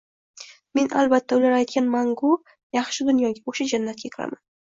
Men, albatta, ular aytgan mangu yaxshi dunyoga – o‘sha jannatga kiraman